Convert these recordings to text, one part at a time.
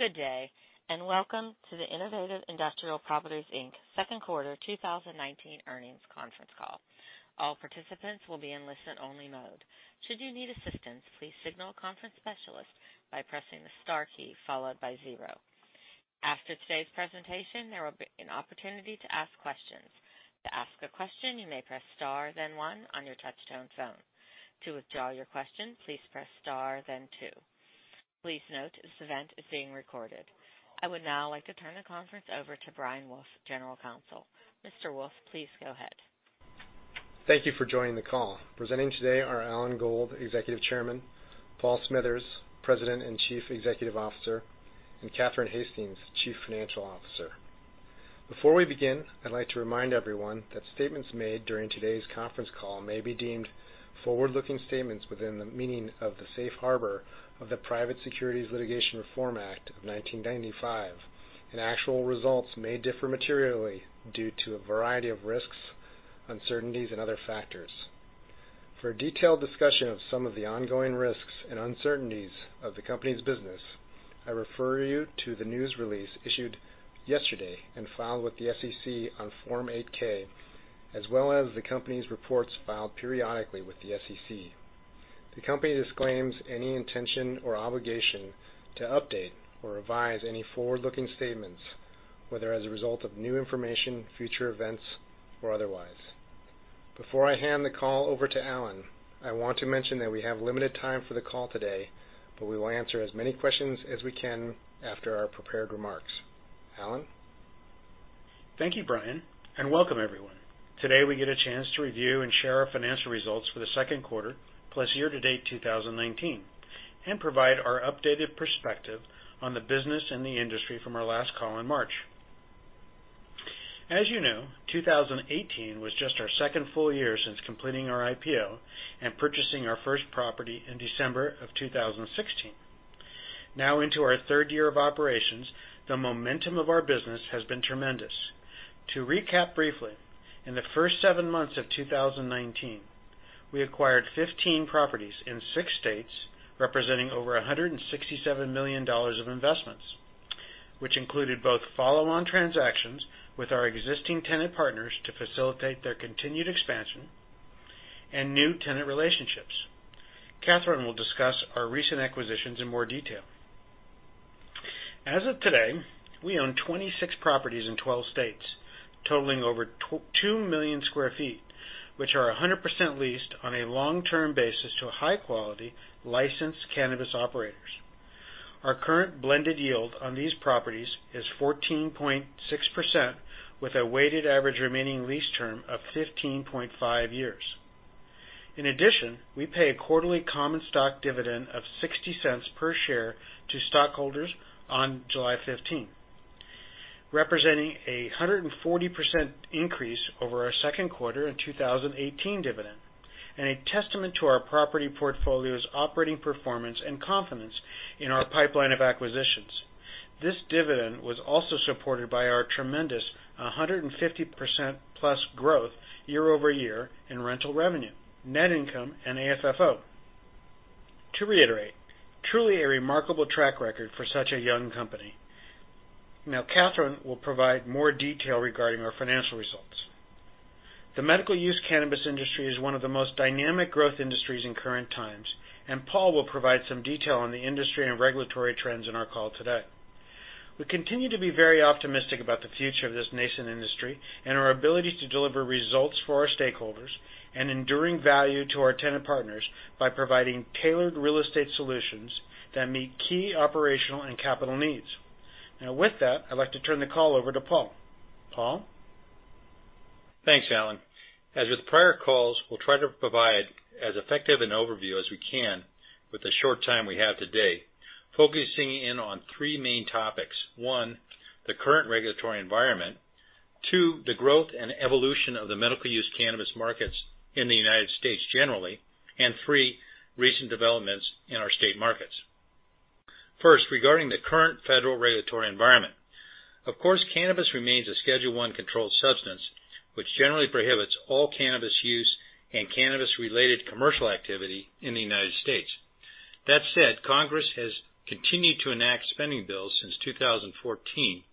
Good day, and welcome to the Innovative Industrial Properties, Inc. second quarter 2019 earnings conference call. All participants will be in listen-only mode. Should you need assistance, please signal a conference specialist by pressing the star key followed by zero. After today's presentation, there will be an opportunity to ask questions. To ask a question, you may press star then one on your touch-tone phone. To withdraw your question, please press star then two. Please note this event is being recorded. I would now like to turn the conference over to Brian Wolfe, general counsel. Mr. Wolfe, please go ahead. Thank you for joining the call. Presenting today are Alan Gold, Executive Chairman, Paul Smithers, President and Chief Executive Officer, and Catherine Hastings, Chief Financial Officer. Before we begin, I'd like to remind everyone that statements made during today's conference call may be deemed forward-looking statements within the meaning of the safe harbor of the Private Securities Litigation Reform Act of 1995, and actual results may differ materially due to a variety of risks, uncertainties, and other factors. For a detailed discussion of some of the ongoing risks and uncertainties of the company's business, I refer you to the news release issued yesterday and filed with the SEC on Form 8-K, as well as the company's reports filed periodically with the SEC. The company disclaims any intention or obligation to update or revise any forward-looking statements, whether as a result of new information, future events, or otherwise. Before I hand the call over to Alan, I want to mention that we have limited time for the call today, but we will answer as many questions as we can after our prepared remarks. Alan? Thank you, Brian, and welcome everyone. Today, we get a chance to review and share our financial results for the second quarter, plus year-to-date 2019, and provide our updated perspective on the business and the industry from our last call in March. As you know, 2018 was just our second full year since completing our IPO and purchasing our first property in December of 2016. Now into our third year of operations, the momentum of our business has been tremendous. To recap briefly, in the first seven months of 2019, we acquired 15 properties in six states, representing over $167 million of investments, which included both follow-on transactions with our existing tenant partners to facilitate their continued expansion and new tenant relationships. Catherine will discuss our recent acquisitions in more detail. As of today, we own 26 properties in 12 states, totaling over 2 million sq ft, which are 100% leased on a long-term basis to high-quality licensed cannabis operators. Our current blended yield on these properties is 14.6%, with a weighted average remaining lease term of 15.5 years. In addition, we pay a quarterly common stock dividend of $0.60 per share to stockholders on July 15, representing a 140% increase over our second quarter in 2018 dividend, and a testament to our property portfolio's operating performance and confidence in our pipeline of acquisitions. This dividend was also supported by our tremendous 150%-plus growth year-over-year in rental revenue, net income, and AFFO. To reiterate, truly a remarkable track record for such a young company. Catherine will provide more detail regarding our financial results. The medical use cannabis industry is one of the most dynamic growth industries in current times. Paul will provide some detail on the industry and regulatory trends in our call today. We continue to be very optimistic about the future of this nascent industry and our ability to deliver results for our stakeholders and enduring value to our tenant partners by providing tailored real estate solutions that meet key operational and capital needs. Now, with that, I'd like to turn the call over to Paul. Paul? Thanks, Alan. As with prior calls, we'll try to provide as effective an overview as we can with the short time we have today, focusing in on three main topics. One, the current regulatory environment. Two, the growth and evolution of the medical use cannabis markets in the United States generally. Three, recent developments in our state markets. First, regarding the current federal regulatory environment, of course, cannabis remains a Schedule I controlled substance, which generally prohibits all cannabis use and cannabis-related commercial activity in the United States. That said, Congress has continued to enact spending bills since 2014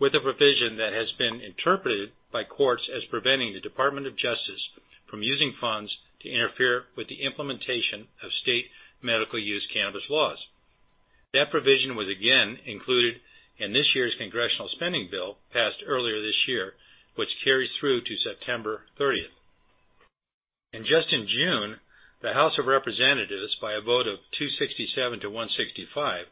with a provision that has been interpreted by courts as preventing the Department of Justice from using funds to interfere with the implementation of state medical use cannabis laws. That provision was again included in this year's congressional spending bill passed earlier this year, which carries through to September 30th. Just in June, the House of Representatives, by a vote of 267 to 165,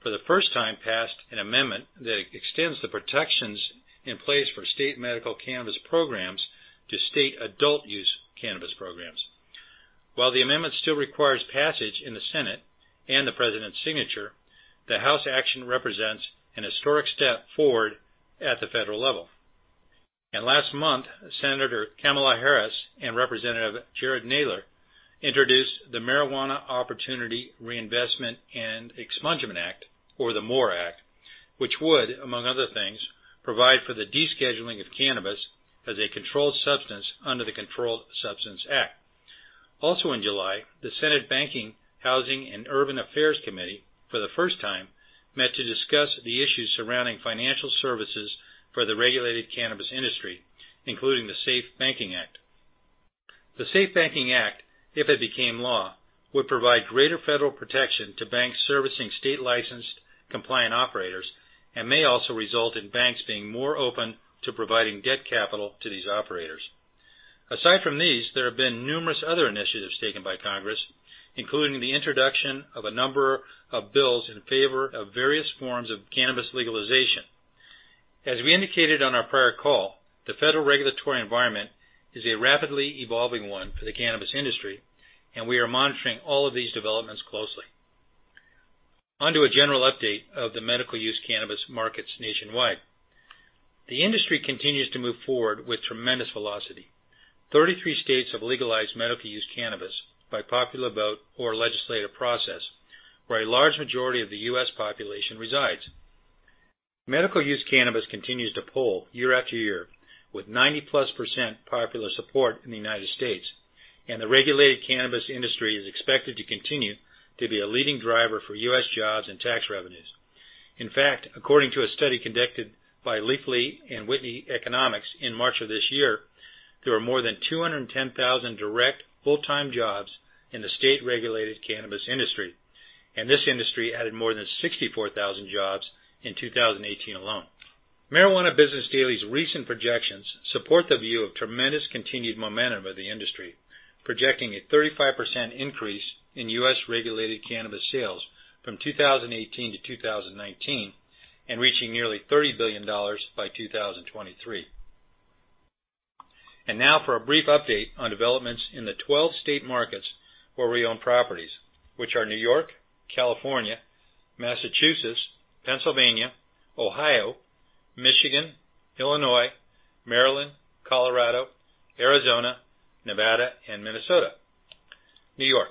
for the first time passed an amendment that extends the protections in place for state medical cannabis programs to state adult use cannabis programs. While the amendment still requires passage in the Senate and the president's signature, the House action represents an historic step forward at the federal level. Last month, Senator Kamala Harris and Representative Jerrold Nadler introduced the Marijuana Opportunity Reinvestment and Expungement Act, or the MORE Act, which would, among other things, provide for the descheduling of cannabis as a controlled substance under the Controlled Substances Act. Also in July, the Senate Banking, Housing, and Urban Affairs Committee, for the first time, met to discuss the issues surrounding financial services for the regulated cannabis industry, including the SAFE Banking Act. The SAFE Banking Act, if it became law, would provide greater federal protection to banks servicing state-licensed compliant operators and may also result in banks being more open to providing debt capital to these operators. Aside from these, there have been numerous other initiatives taken by Congress, including the introduction of a number of bills in favor of various forms of cannabis legalization. As we indicated on our prior call, the federal regulatory environment is a rapidly evolving one for the cannabis industry, and we are monitoring all of these developments closely. Onto a general update of the medical use cannabis markets nationwide. The industry continues to move forward with tremendous velocity. 33 states have legalized medical use cannabis by popular vote or legislative process, where a large majority of the U.S. population resides. Medical use cannabis continues to poll year after year with 90%-plus popular support in the U.S., and the regulated cannabis industry is expected to continue to be a leading driver for U.S. jobs and tax revenues. In fact, according to a study conducted by Leafly and Whitney Economics in March of this year, there were more than 210,000 direct full-time jobs in the state-regulated cannabis industry. This industry added more than 64,000 jobs in 2018 alone. Marijuana Business Daily's recent projections support the view of tremendous continued momentum of the industry, projecting a 35% increase in U.S.-regulated cannabis sales from 2018 to 2019 and reaching nearly $30 billion by 2023. Now for a brief update on developments in the 12 state markets where we own properties, which are New York, California, Massachusetts, Pennsylvania, Ohio, Michigan, Illinois, Maryland, Colorado, Arizona, Nevada, and Minnesota. New York.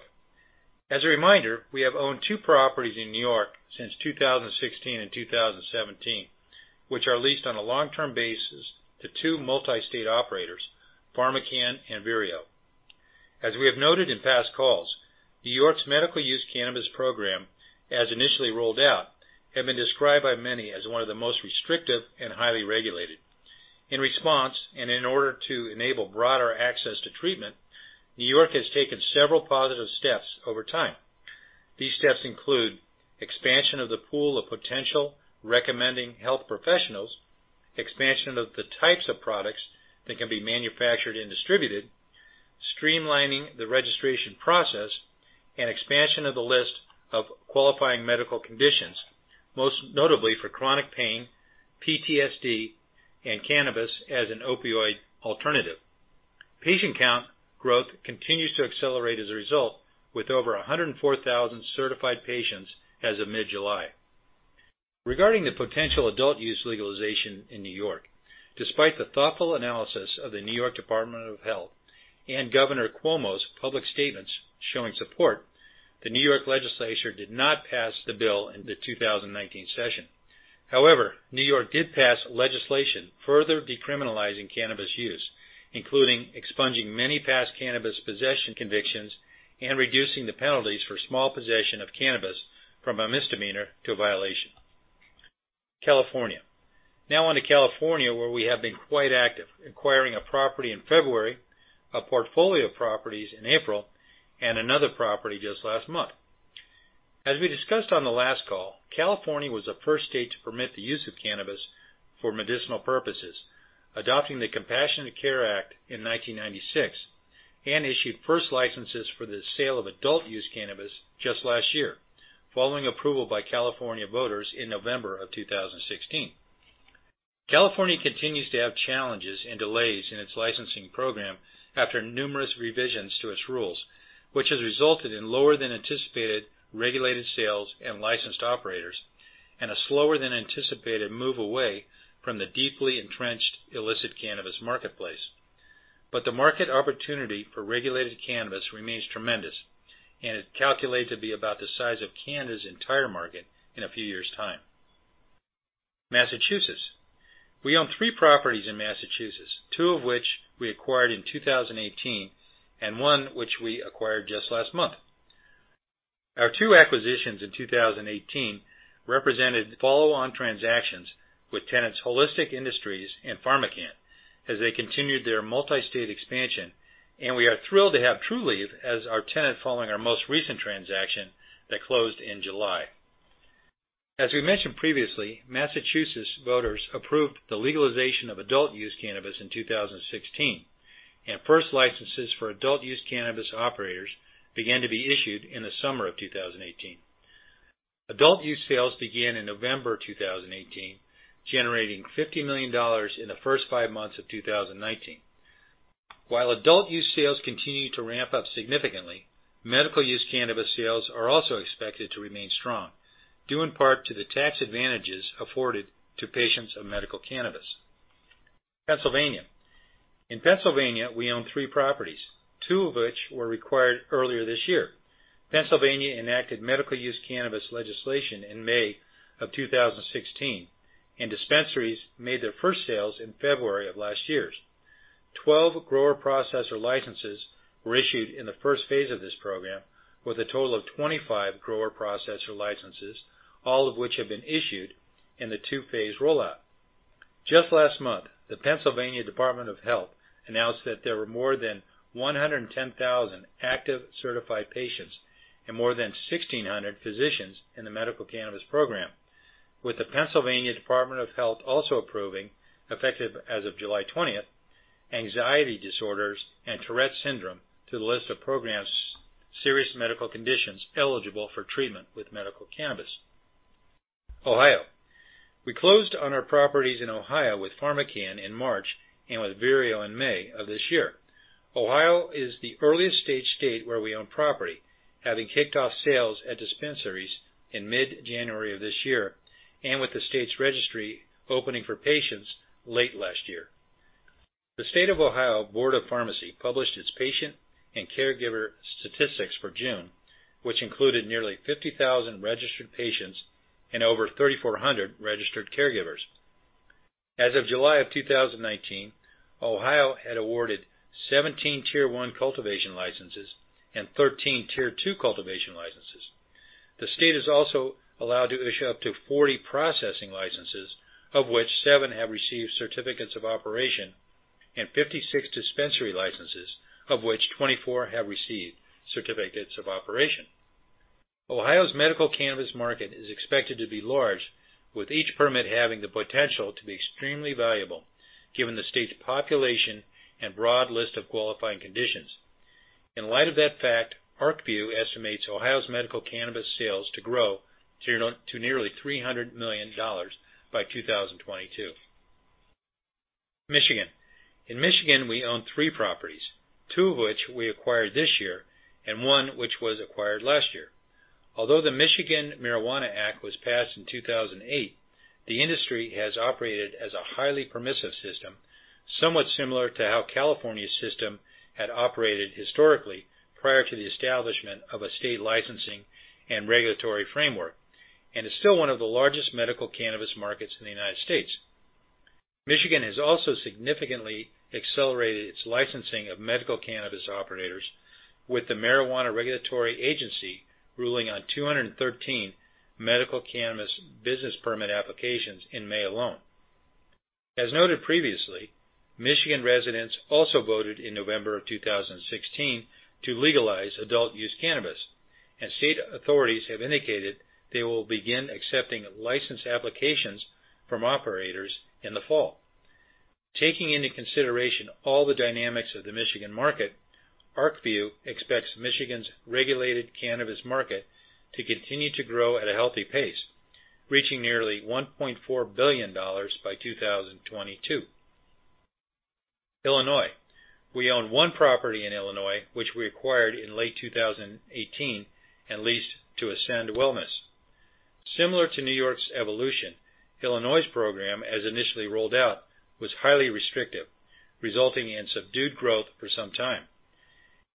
As a reminder, we have owned two properties in New York since 2016 and 2017, which are leased on a long-term basis to two multi-state operators, PharmaCann and Vireo. As we have noted in past calls, New York's medical use cannabis program, as initially rolled out, have been described by many as one of the most restrictive and highly regulated. In response, and in order to enable broader access to treatment, New York has taken several positive steps over time. These steps include expansion of the pool of potential recommending health professionals, expansion of the types of products that can be manufactured and distributed, streamlining the registration process, and expansion of the list of qualifying medical conditions, most notably for chronic pain, PTSD, and cannabis as an opioid alternative. Patient count growth continues to accelerate as a result, with over 104,000 certified patients as of mid-July. Regarding the potential adult use legalization in N.Y., despite the thoughtful analysis of the N.Y. Department of Health and Governor Cuomo's public statements showing support, the N.Y. legislature did not pass the bill in the 2019 session. N.Y. did pass legislation further decriminalizing cannabis use, including expunging many past cannabis possession convictions and reducing the penalties for small possession of cannabis from a misdemeanor to a violation. California. Now on to California, where we have been quite active, acquiring a property in February, a portfolio of properties in April, and another property just last month. As we discussed on the last call, California was the first state to permit the use of cannabis for medicinal purposes, adopting the Compassionate Use Act in 1996 and issued first licenses for the sale of adult use cannabis just last year, following approval by California voters in November of 2016. California continues to have challenges and delays in its licensing program after numerous revisions to its rules, which has resulted in lower than anticipated regulated sales and licensed operators and a slower than anticipated move away from the deeply entrenched illicit cannabis marketplace. The market opportunity for regulated cannabis remains tremendous and is calculated to be about the size of Canada's entire market in a few years' time. Massachusetts. We own three properties in Massachusetts, two of which we acquired in 2018 and one which we acquired just last month. Our two acquisitions in 2018 represented follow-on transactions with tenants Holistic Industries and PharmaCann as they continued their multi-state expansion. We are thrilled to have Trulieve as our tenant following our most recent transaction that closed in July. As we mentioned previously, Massachusetts voters approved the legalization of adult use cannabis in 2016, and first licenses for adult use cannabis operators began to be issued in the summer of 2018. Adult use sales began in November 2018, generating $50 million in the first five months of 2019. While adult use sales continue to ramp up significantly, medical use cannabis sales are also expected to remain strong, due in part to the tax advantages afforded to patients of medical cannabis. Pennsylvania. In Pennsylvania, we own three properties, two of which were acquired earlier this year. Pennsylvania enacted medical use cannabis legislation in May of 2016, and dispensaries made their first sales in February of last year. 12 grower/processor licenses were issued in the first phase of this program, with a total of 25 grower/processor licenses, all of which have been issued in the two-phase rollout. Just last month, the Pennsylvania Department of Health announced that there were more than 110,000 active certified patients and more than 1,600 physicians in the medical cannabis program, with the Pennsylvania Department of Health also approving, effective as of July 20th, anxiety disorders and Tourette syndrome to the list of programs serious medical conditions eligible for treatment with medical cannabis. Ohio. We closed on our properties in Ohio with PharmaCann in March and with Vireo in May of this year. Ohio is the earliest state where we own property, having kicked off sales at dispensaries in mid-January of this year, and with the state's registry opening for patients late last year. The Ohio Board of Pharmacy published its patient and caregiver statistics for June, which included nearly 50,000 registered patients and over 3,400 registered caregivers. As of July of 2019, Ohio had awarded 17 Tier 1 cultivation licenses and 13 Tier 2 cultivation licenses. The state has also allowed to issue up to 40 processing licenses, of which seven have received certificates of operation, and 56 dispensary licenses, of which 24 have received certificates of operation. Ohio's medical cannabis market is expected to be large, with each permit having the potential to be extremely valuable given the state's population and broad list of qualifying conditions. In light of that fact, ArcView estimates Ohio's medical cannabis sales to grow to nearly $300 million by 2022. Michigan. In Michigan, we own three properties, two of which we acquired this year and one which was acquired last year. Although the Michigan Medical Marihuana Act was passed in 2008, the industry has operated as a highly permissive system, somewhat similar to how California's system had operated historically prior to the establishment of a state licensing and regulatory framework, and is still one of the largest medical cannabis markets in the United States. Michigan has also significantly accelerated its licensing of medical cannabis operators with the Cannabis Regulatory Agency ruling on 213 medical cannabis business permit applications in May alone. As noted previously, Michigan residents also voted in November of 2016 to legalize adult use cannabis, and state authorities have indicated they will begin accepting license applications from operators in the fall. Taking into consideration all the dynamics of the Michigan market, ArcView expects Michigan's regulated cannabis market to continue to grow at a healthy pace, reaching nearly $1.4 billion by 2022. Illinois. We own one property in Illinois, which we acquired in late 2018 and leased to Ascend Wellness. Similar to New York's evolution, Illinois' program, as initially rolled out, was highly restrictive, resulting in subdued growth for some time.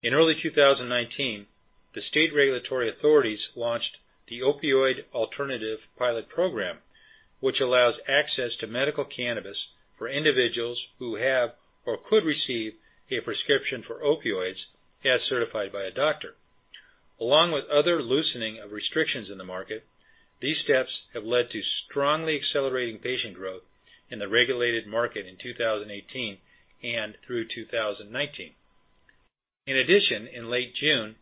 In early 2019, the state regulatory authorities launched the Opioid Alternative Pilot Program, which allows access to medical cannabis for individuals who have or could receive a prescription for opioids as certified by a doctor. Along with other loosening of restrictions in the market, these steps have led to strongly accelerating patient growth in the regulated market in 2018 and through 2019. In addition, in late June,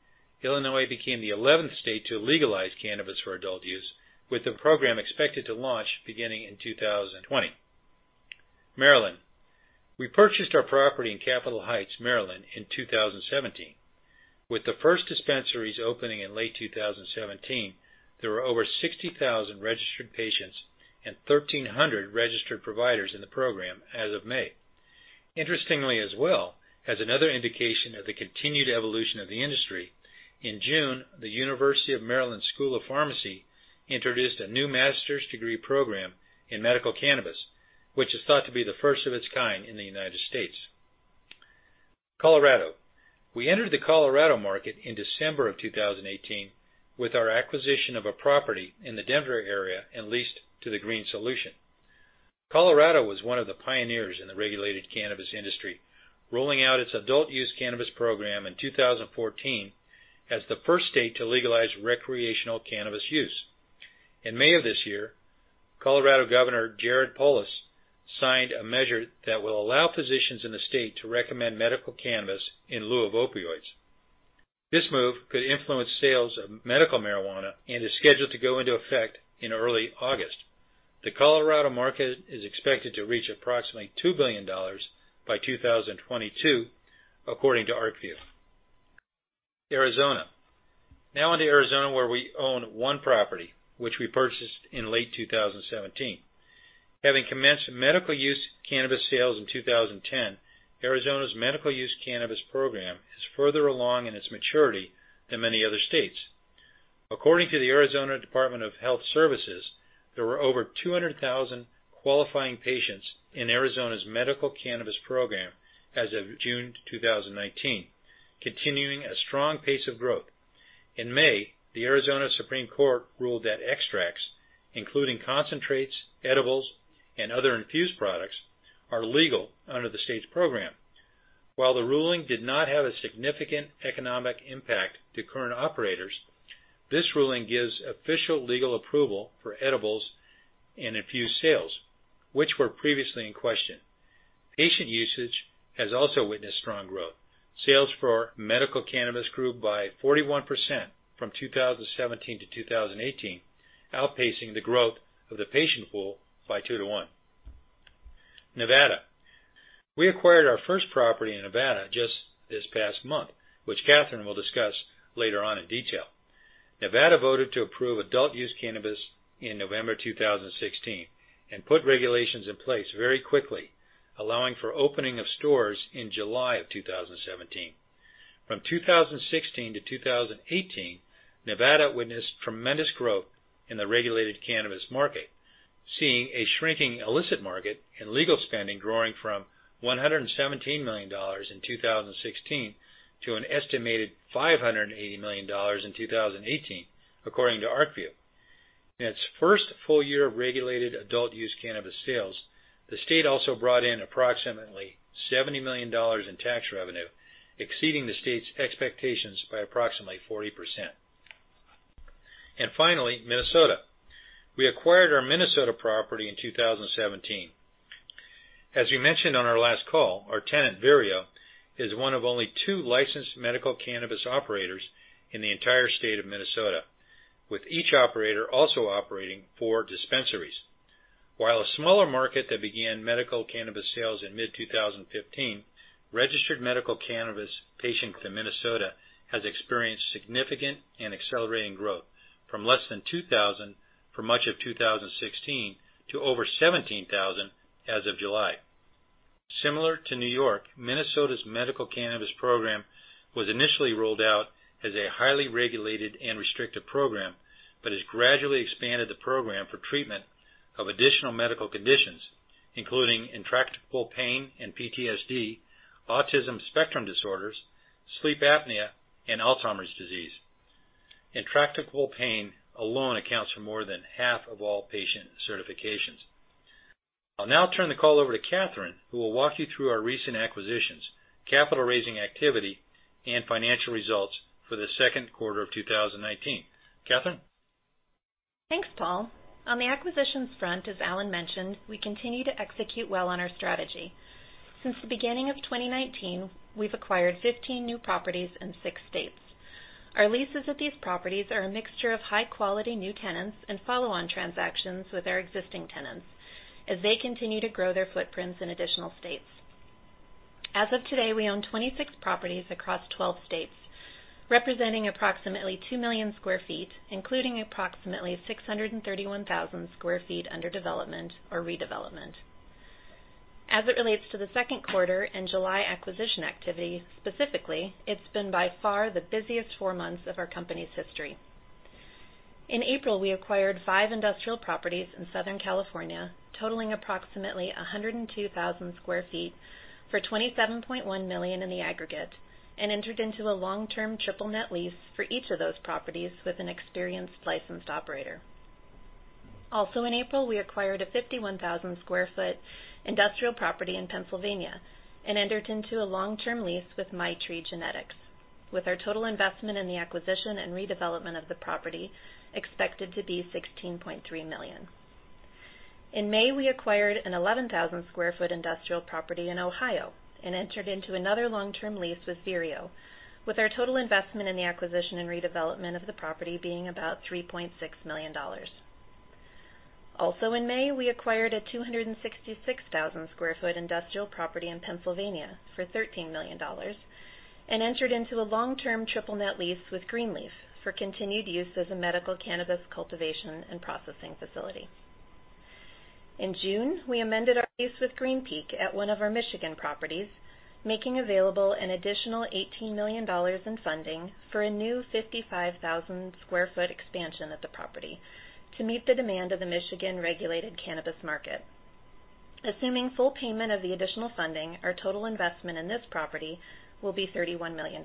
Illinois became the 11th state to legalize cannabis for adult use, with the program expected to launch beginning in 2020. Maryland. We purchased our property in Capitol Heights, Maryland, in 2017. With the first dispensaries opening in late 2017, there were over 60,000 registered patients and 1,300 registered providers in the program as of May. Interestingly, as well, as another indication of the continued evolution of the industry, in June, the University of Maryland School of Pharmacy introduced a new master's degree program in medical cannabis, which is thought to be the first of its kind in the United States. Colorado. We entered the Colorado market in December of 2018 with our acquisition of a property in the Denver area and leased to The Green Solutions. Colorado was one of the pioneers in the regulated cannabis industry, rolling out its adult use cannabis program in 2014 as the first state to legalize recreational cannabis use. In May of this year, Colorado Governor Jared Polis signed a measure that will allow physicians in the state to recommend medical cannabis in lieu of opioids. This move could influence sales of medical marijuana and is scheduled to go into effect in early August. The Colorado market is expected to reach approximately $2 billion by 2022, according to ArcView. Arizona. Now onto Arizona, where we own one property, which we purchased in late 2017. Having commenced medical use cannabis sales in 2010, Arizona's medical use cannabis program is further along in its maturity than many other states. According to the Arizona Department of Health Services, there were over 200,000 qualifying patients in Arizona's medical cannabis program as of June 2019, continuing a strong pace of growth. In May, the Arizona Supreme Court ruled that extracts, including concentrates, edibles, and other infused products, are legal under the state's program. While the ruling did not have a significant economic impact to current operators, this ruling gives official legal approval for edibles and infused sales, which were previously in question. Patient usage has also witnessed strong growth. Sales for medical cannabis grew by 41% from 2017 to 2018, outpacing the growth of the patient pool by two to one. Nevada. We acquired our first property in Nevada just this past month, which Catherine will discuss later on in detail. Nevada voted to approve adult use cannabis in November 2016 and put regulations in place very quickly, allowing for opening of stores in July 2017. From 2016 to 2018, Nevada witnessed tremendous growth in the regulated cannabis market, seeing a shrinking illicit market and legal spending growing from $117 million in 2016 to an estimated $580 million in 2018, according to ArcView. In its first full year of regulated adult-use cannabis sales, the state also brought in approximately $70 million in tax revenue, exceeding the state's expectations by approximately 40%. Finally, Minnesota. We acquired our Minnesota property in 2017. As we mentioned on our last call, our tenant, Vireo, is one of only 2 licensed medical cannabis operators in the entire state of Minnesota, with each operator also operating 4 dispensaries. While a smaller market that began medical cannabis sales in mid-2015, registered medical cannabis patients in Minnesota has experienced significant and accelerating growth from less than 2,000 for much of 2016 to over 17,000 as of July. Similar to New York, Minnesota's medical cannabis program was initially rolled out as a highly regulated and restrictive program, but has gradually expanded the program for treatment of additional medical conditions, including intractable pain and PTSD, autism spectrum disorders, sleep apnea, and Alzheimer's disease. Intractable pain alone accounts for more than half of all patient certifications. I'll now turn the call over to Catherine, who will walk you through our recent acquisitions, capital raising activity, and financial results for the second quarter of 2019. Catherine? Thanks, Paul. On the acquisitions front, as Alan mentioned, we continue to execute well on our strategy. Since the beginning of 2019, we've acquired 15 new properties in six states. Our leases at these properties are a mixture of high-quality new tenants and follow-on transactions with our existing tenants as they continue to grow their footprints in additional states. As of today, we own 26 properties across 12 states, representing approximately 2 million sq ft, including approximately 631,000 sq ft under development or redevelopment. As it relates to the second quarter and July acquisition activity, specifically, it's been by far the busiest four months of our company's history. In April, we acquired five industrial properties in Southern California, totaling approximately 102,000 sq ft for $27.1 million in the aggregate, and entered into a long-term triple net lease for each of those properties with an experienced licensed operator. In April, we acquired a 51,000 sq ft industrial property in Pennsylvania and entered into a long-term lease with Maitri Genetics, with our total investment in the acquisition and redevelopment of the property expected to be $16.3 million. In May, we acquired an 11,000 sq ft industrial property in Ohio and entered into another long-term lease with Vireo, with our total investment in the acquisition and redevelopment of the property being about $3.6 million. In May, we acquired a 266,000 sq ft industrial property in Pennsylvania for $13 million and entered into a long-term triple net lease with Green Leaf Medical for continued use as a medical cannabis cultivation and processing facility. In June, we amended our lease with Green Peak at one of our Michigan properties, making available an additional $18 million in funding for a new 55,000 sq ft expansion of the property to meet the demand of the Michigan regulated cannabis market. Assuming full payment of the additional funding, our total investment in this property will be $31 million.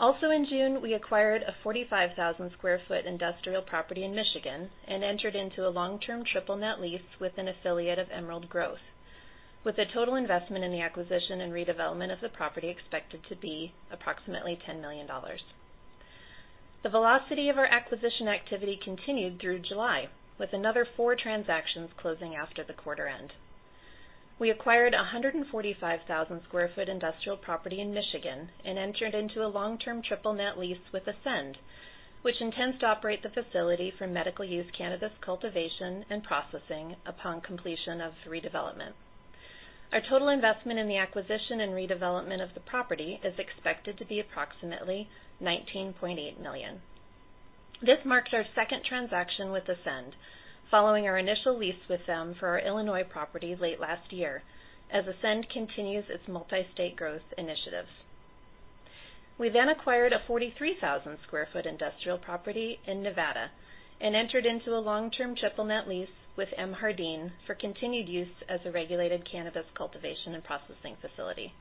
Also in June, we acquired a 45,000 sq ft industrial property in Michigan and entered into a long-term triple net lease with an affiliate of Emerald Growth, with the total investment in the acquisition and redevelopment of the property expected to be approximately $10 million. The velocity of our acquisition activity continued through July, with another four transactions closing after the quarter end. We acquired 145,000 sq ft industrial property in Michigan and entered into a long-term triple net lease with Ascend, which intends to operate the facility for medical use cannabis cultivation and processing upon completion of redevelopment. Our total investment in the acquisition and redevelopment of the property is expected to be approximately $19.8 million. This marks our second transaction with Ascend, following our initial lease with them for our Illinois property late last year, as Ascend continues its multi-state growth initiative. We acquired a 43,000 sq ft industrial property in Nevada and entered into a long-term triple net lease with MJardin for continued use as a regulated cannabis cultivation and processing facility.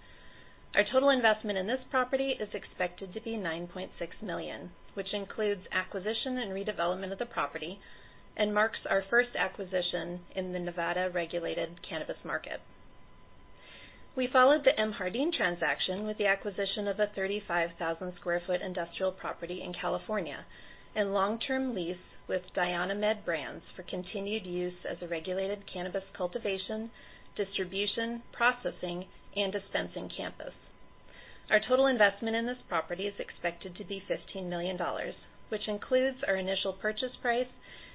Our total investment in this property is expected to be $9.6 million, which includes acquisition and redevelopment of the property and marks our first acquisition in the Nevada regulated cannabis market. We followed the MJardin transaction with the acquisition of a 35,000 sq ft industrial property in California and long-term lease with DionyMed Brands for continued use as a regulated cannabis cultivation, distribution, processing, and dispensing campus. Our total investment in this property is expected to be $15 million, which includes our initial purchase price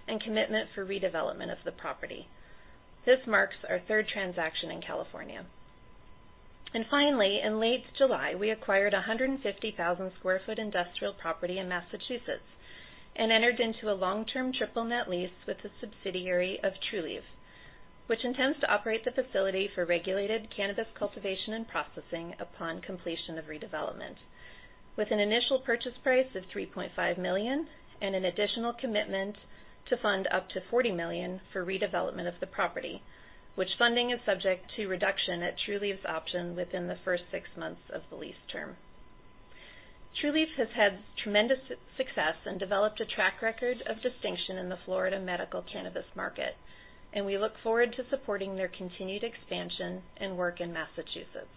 and commitment for redevelopment of the property. This marks our third transaction in California. Finally, in late July, we acquired 150,000 sq ft industrial property in Massachusetts and entered into a long-term triple net lease with a subsidiary of Trulieve, which intends to operate the facility for regulated cannabis cultivation and processing upon completion of redevelopment. With an initial purchase price of $3.5 million and an additional commitment to fund up to $40 million for redevelopment of the property, which funding is subject to reduction at Trulieve's option within the first six months of the lease term. Trulieve has had tremendous success and developed a track record of distinction in the Florida medical cannabis market, and we look forward to supporting their continued expansion and work in Massachusetts.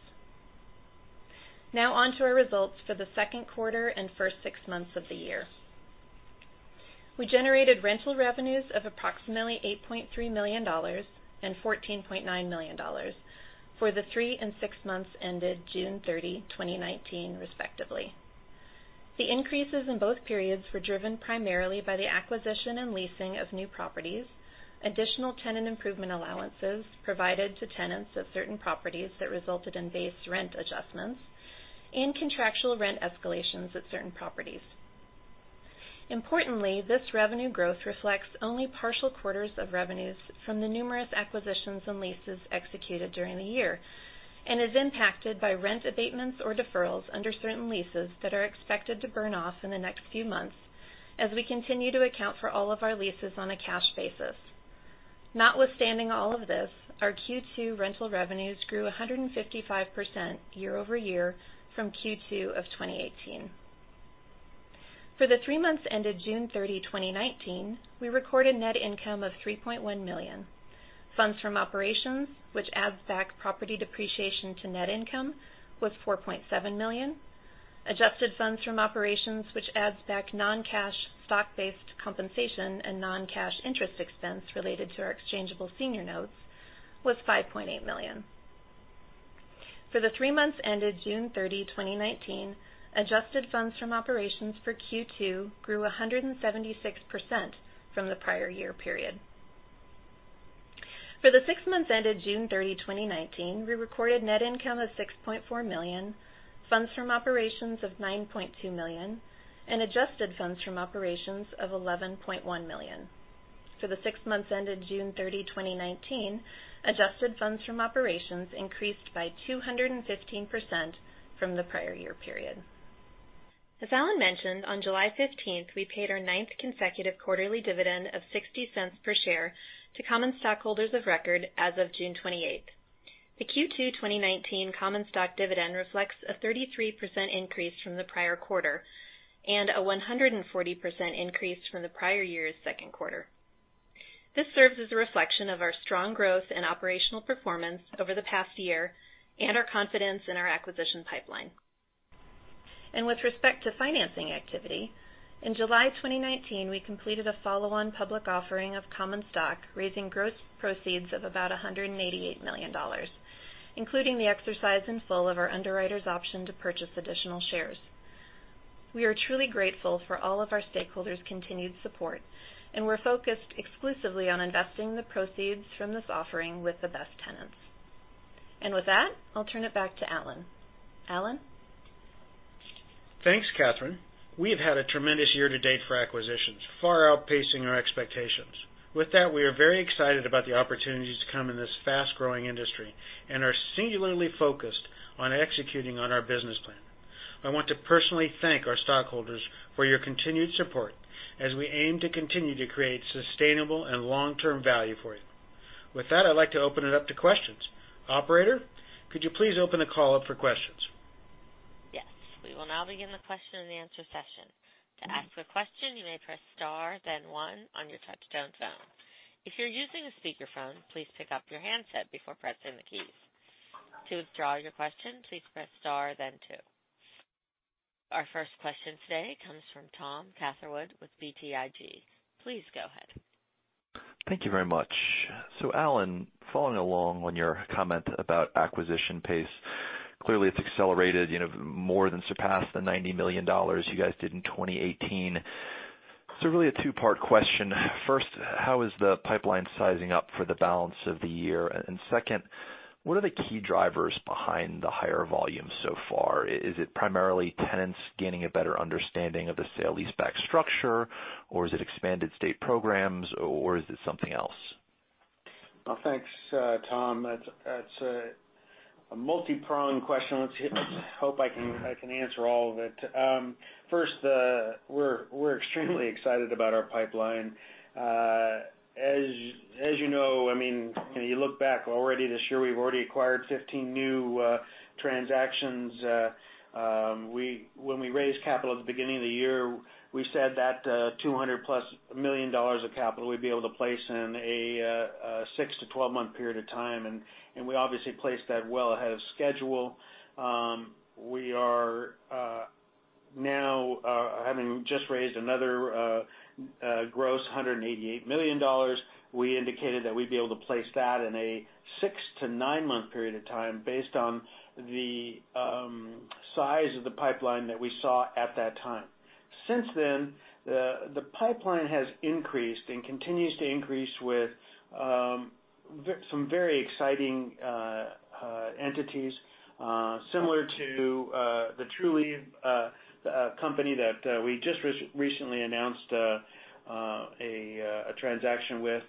Now on to our results for the second quarter and first six months of the year. We generated rental revenues of approximately $8.3 million and $14.9 million for the three and six months ended June 30, 2019, respectively. The increases in both periods were driven primarily by the acquisition and leasing of new properties, additional tenant improvement allowances provided to tenants of certain properties that resulted in base rent adjustments, and contractual rent escalations at certain properties. Importantly, this revenue growth reflects only partial quarters of revenues from the numerous acquisitions and leases executed during the year and is impacted by rent abatements or deferrals under certain leases that are expected to burn off in the next few months as we continue to account for all of our leases on a cash basis. Notwithstanding all of this, our Q2 rental revenues grew 155% year-over-year from Q2 of 2018. For the three months ended June 30, 2019, we recorded net income of $3.1 million. Funds from operations, which adds back property depreciation to net income, was $4.7 million. Adjusted funds from operations, which adds back non-cash stock-based compensation and non-cash interest expense related to our exchangeable senior notes, was $5.8 million. For the three months ended June 30, 2019, Adjusted funds from operations for Q2 grew 176% from the prior year period. For the six months ended June 30, 2019, we recorded net income of $6.4 million, funds from operations of $9.2 million, and adjusted funds from operations of $11.1 million. For the six months ended June 30, 2019, adjusted funds from operations increased by 215% from the prior year period. As Alan mentioned, on July 15th, we paid our ninth consecutive quarterly dividend of $0.60 per share to common stockholders of record as of June 28th. The Q2 2019 common stock dividend reflects a 33% increase from the prior quarter and a 140% increase from the prior year's second quarter. This serves as a reflection of our strong growth and operational performance over the past year and our confidence in our acquisition pipeline. With respect to financing activity, in July 2019, we completed a follow-on public offering of common stock, raising gross proceeds of about $188 million, including the exercise in full of our underwriter's option to purchase additional shares. We are truly grateful for all of our stakeholders' continued support, and we're focused exclusively on investing the proceeds from this offering with the best tenants. With that, I'll turn it back to Alan. Alan? Thanks, Catherine. We have had a tremendous year to date for acquisitions, far outpacing our expectations. We are very excited about the opportunities to come in this fast-growing industry and are singularly focused on executing on our business plan. I want to personally thank our stockholders for your continued support as we aim to continue to create sustainable and long-term value for you. I'd like to open it up to questions. Operator, could you please open the call up for questions? Yes. We will now begin the question and answer session. To ask a question, you may press star then one on your touchtone phone. If you're using a speakerphone, please pick up your handset before pressing the keys. To withdraw your question, please press star then two. Our first question today comes from Thomas Catherwood with BTIG. Please go ahead. Thank you very much. Alan, following along on your comment about acquisition pace, clearly it's accelerated, more than surpassed the $90 million you guys did in 2018. Really a two-part question. First, how is the pipeline sizing up for the balance of the year? Second, what are the key drivers behind the higher volume so far? Is it primarily tenants gaining a better understanding of the sale leaseback structure, or is it expanded state programs, or is it something else? Well, thanks, Tom. That's a multi-pronged question. Let's hope I can answer all of it. First, we're extremely excited about our pipeline. As you know, when you look back already this year, we've already acquired 15 new transactions. When we raised capital at the beginning of the year, we said that $200+ million of capital we'd be able to place in a 6- to 12-month period of time. We obviously placed that well ahead of schedule. We are now having just raised another gross $188 million. We indicated that we'd be able to place that in a 6- to 9-month period of time based on the size of the pipeline that we saw at that time. Since then, the pipeline has increased and continues to increase with some very exciting entities, similar to the Trulieve that we just recently announced a transaction with.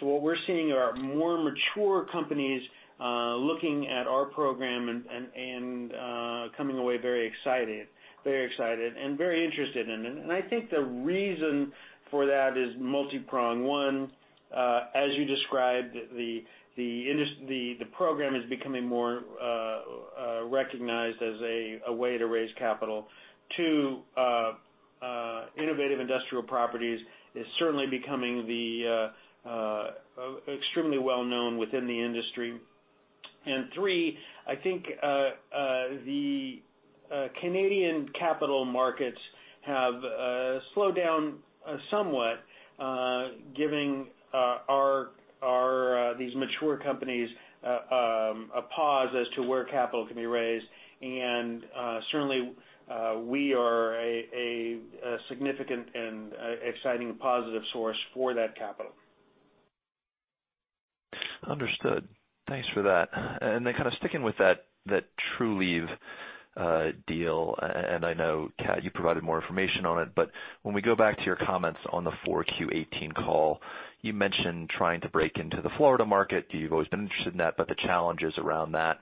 What we're seeing are more mature companies looking at our program and coming away very excited and very interested in it. I think the reason for that is multi-pronged. One, as you described, the program is becoming more recognized as a way to raise capital. Two, Innovative Industrial Properties is certainly becoming extremely well-known within the industry. Three, I think the Canadian capital markets have slowed down somewhat, giving these mature companies a pause as to where capital can be raised. Certainly, we are a significant and exciting positive source for that capital. Understood. Thanks for that. Then sticking with that Trulieve deal, I know, Kat, you provided more information on it, but when we go back to your comments on the 4Q 2018 call, you mentioned trying to break into the Florida market. You've always been interested in that, but the challenge is around that.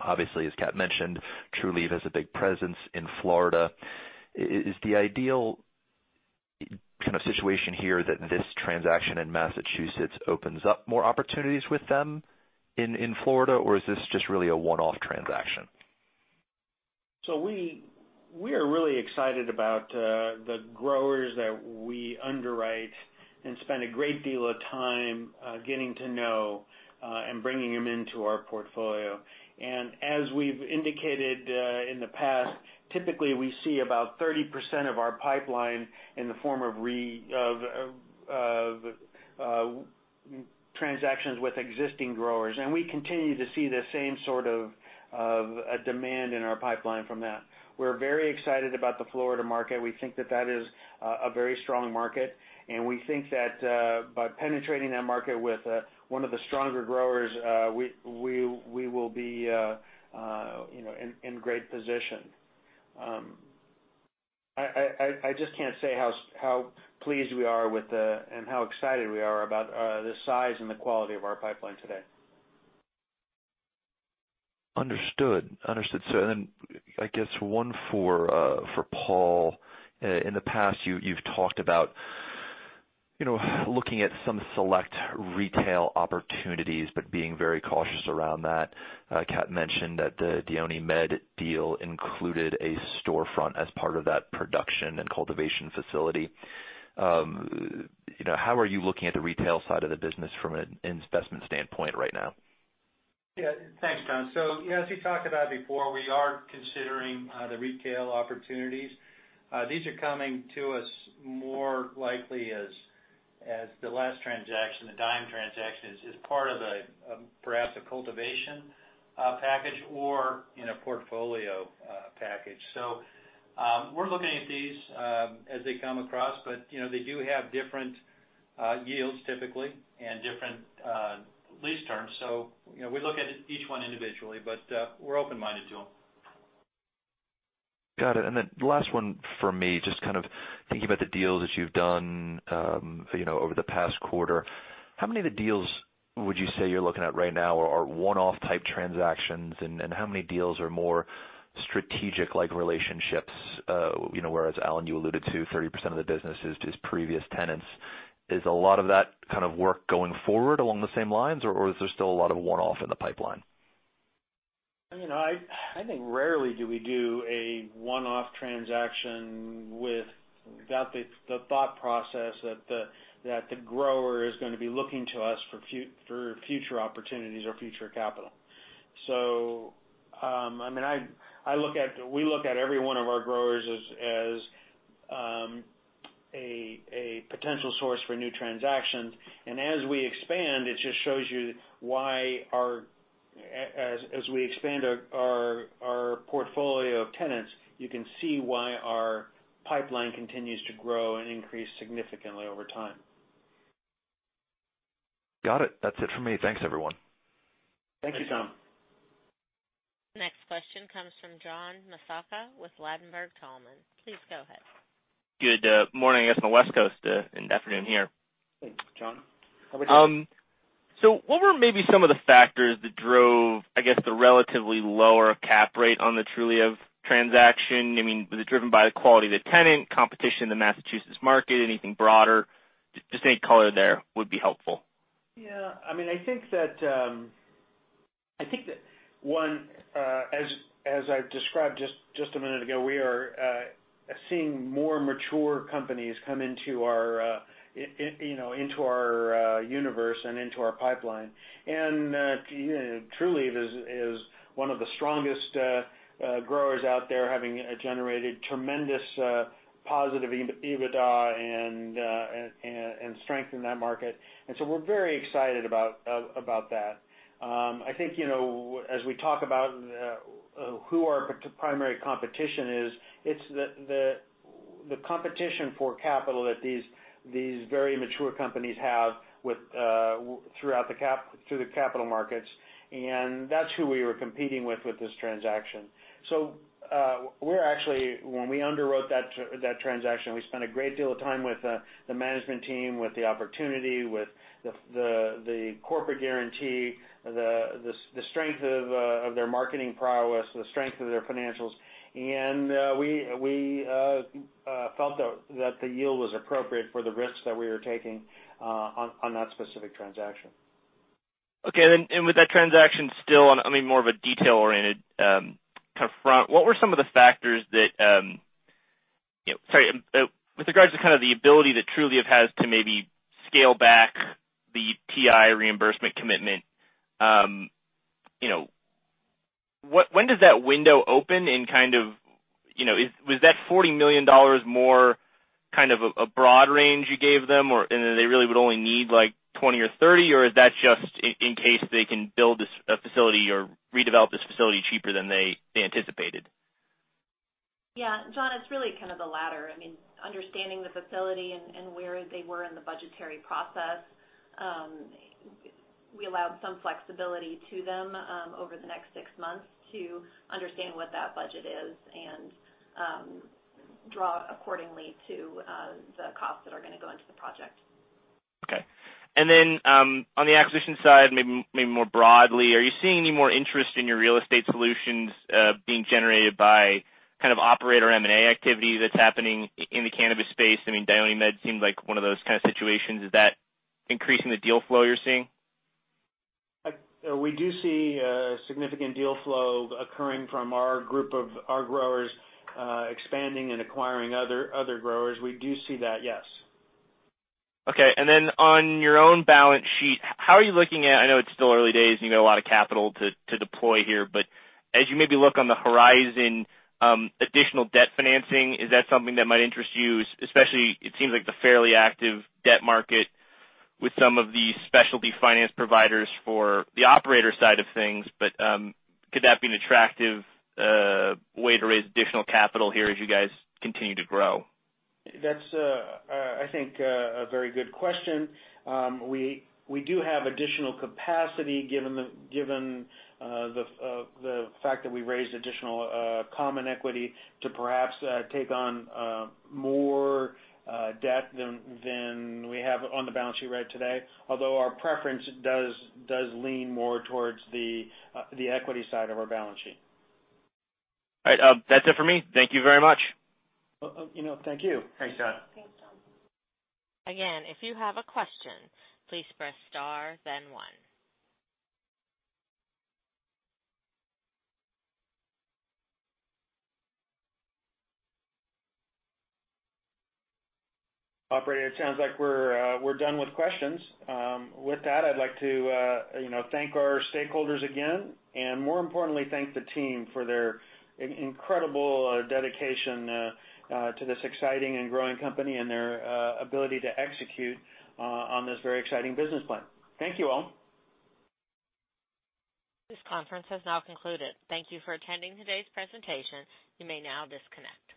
Obviously, as Kat mentioned, Trulieve has a big presence in Florida. Is the ideal situation here that this transaction in Massachusetts opens up more opportunities with them in Florida, or is this just really a one-off transaction? We are really excited about the growers that we underwrite and spend a great deal of time getting to know, and bringing them into our portfolio. As we've indicated in the past, typically, we see about 30% of our pipeline in the form of transactions with existing growers. We continue to see the same sort of demand in our pipeline from that. We're very excited about the Florida market. We think that that is a very strong market, and we think that by penetrating that market with one of the stronger growers, we will be in great position. I just can't say how pleased we are and how excited we are about the size and the quality of our pipeline today. I guess one for Paul. In the past, you've talked about looking at some select retail opportunities but being very cautious around that. Kat mentioned that the DionyMed deal included a storefront as part of that production and cultivation facility. How are you looking at the retail side of the business from an investment standpoint right now? Yeah. Thanks, Tom. As we talked about before, we are considering the retail opportunities. These are coming to us more likely as the last transaction, the DionyMed transaction, as part of perhaps a cultivation package or in a portfolio package. We're looking at these as they come across, but they do have different yields typically and different lease terms. We look at each one individually, but we're open-minded to them. Got it. Last one from me, just thinking about the deals that you've done over the past quarter, how many of the deals would you say you're looking at right now are one-off type transactions, and how many deals are more strategic-like relationships? Whereas, Alan, you alluded to 30% of the business is previous tenants. Is a lot of that work going forward along the same lines, or is there still a lot of one-off in the pipeline? I think rarely do we do a one-off transaction without the thought process that the grower is going to be looking to us for future opportunities or future capital. We look at every one of our growers as a potential source for new transactions. As we expand our portfolio of tenants, you can see why our pipeline continues to grow and increase significantly over time. Got it. That's it for me. Thanks, everyone. Thank you, Tom. Next question comes from John Massocca with Ladenburg Thalmann. Please go ahead. Good morning, I guess, on the West Coast, and afternoon here. Thanks, John. How are we doing? What were maybe some of the factors that drove, I guess, the relatively lower cap rate on the Trulieve transaction? Was it driven by the quality of the tenant, competition in the Massachusetts market, anything broader? Just any color there would be helpful. Yeah. I think that one, as I've described just a minute ago, we are seeing more mature companies come into our universe and into our pipeline. Trulieve is one of the strongest growers out there, having generated tremendous positive EBITDA and strength in that market. We're very excited about that. I think, as we talk about who our primary competition is, it's the competition for capital that these very mature companies have through the capital markets, and that's who we were competing with with this transaction. When we underwrote that transaction, we spent a great deal of time with the management team, with the opportunity, with the corporate guarantee, the strength of their marketing prowess, the strength of their financials, and we felt that the yield was appropriate for the risks that we were taking on that specific transaction. Okay. With that transaction still on, more of a detail-oriented concern, with regards to kind of the ability that Trulieve has to maybe scale back the TI reimbursement commitment, when does that window open and was that $40 million more kind of a broad range you gave them, or, they really would only need $20 or $30, or is that just in case they can build a facility or redevelop this facility cheaper than they anticipated? Yeah. John, it's really kind of the latter. Understanding the facility and where they were in the budgetary process, we allowed some flexibility to them over the next six months to understand what that budget is and draw accordingly to the costs that are going to go into the project. Okay. Then, on the acquisition side, maybe more broadly, are you seeing any more interest in your real estate solutions being generated by kind of operator M&A activity that's happening in the cannabis space? DionyMed seems like one of those kind of situations. Is that increasing the deal flow you're seeing? We do see significant deal flow occurring from our group of our growers expanding and acquiring other growers. We do see that, yes. Okay. Then on your own balance sheet, how are you looking at, I know it's still early days and you need a lot of capital to deploy here, but as you maybe look on the horizon, additional debt financing, is that something that might interest you? Especially, it seems like it's a fairly active debt market with some of the specialty finance providers for the operator side of things. Could that be an attractive way to raise additional capital here as you guys continue to grow? That's, I think, a very good question. We do have additional capacity given the fact that we raised additional common equity to perhaps take on more debt than we have on the balance sheet right today. Our preference does lean more towards the equity side of our balance sheet. All right. That's it for me. Thank you very much. Thank you. Thanks, John. Thanks, John. Again, if you have a question, please press star then one. Operator, it sounds like we're done with questions. With that, I'd like to thank our stakeholders again, and more importantly, thank the team for their incredible dedication to this exciting and growing company and their ability to execute on this very exciting business plan. Thank you all. This conference has now concluded. Thank you for attending today's presentation. You may now disconnect.